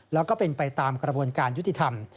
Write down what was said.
แล้วก็เป็นไปตามกระบวนการยุติธรรม